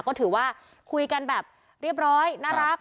ก็ถือว่าคุยกันแบบเรียบร้อยน่ารัก